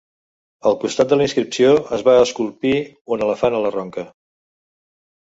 Al costat de la inscripció es va esculpir un elefant a la ronca.